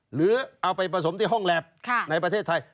หรือเอาไปผสมที่ห้องแล็บในประเทศไทย